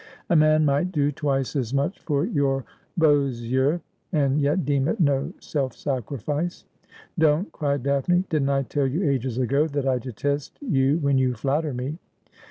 ' A man might do twice as much for your leaux yeux, and yet deem it no self sacrifice.' ' Don't,' cried Daphne. ' Didn't I tell you ages ago that I detest you when you flatter me